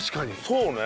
そうね。